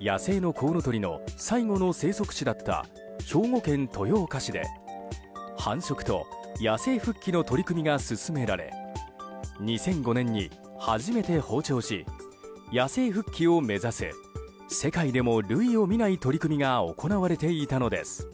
野生のコウノトリの最後の生息地だった兵庫県豊岡市で、繁殖と野生復帰の取り組みが進められ２００５年に初めて放鳥し野生復帰を目指す世界でも類を見ない取り組みが行われていたのです。